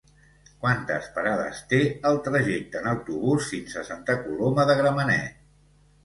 Quantes parades té el trajecte en autobús fins a Santa Coloma de Gramenet?